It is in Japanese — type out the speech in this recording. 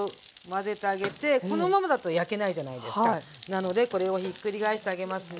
なのでこれをひっくり返してあげますね。